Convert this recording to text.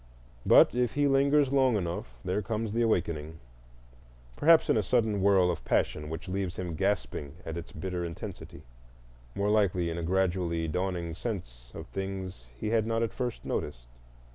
But if he lingers long enough there comes the awakening: perhaps in a sudden whirl of passion which leaves him gasping at its bitter intensity; more likely in a gradually dawning sense of things he had not at first noticed.